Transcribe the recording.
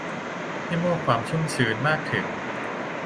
ที่มอบความชุ่มชื้นมากถึง